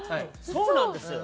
そうなんですよ。